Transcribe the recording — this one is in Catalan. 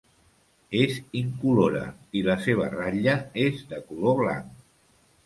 És incolora i la seva ratlla és de color blanc.